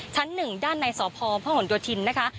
ชั้นหนึ่งด้านในสพพยธินตร์นะคะ